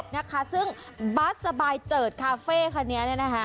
นะคะซึ่งบัสสบายเจิดคาเฟ่คันนี้